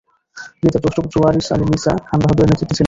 তিনি তার জ্যেষ্ঠ পুত্র ওয়ারিস আলী মির্জা খান বাহাদুরের নেতৃত্বে ছিলেন।